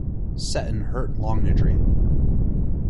Seton hurt Longniddry.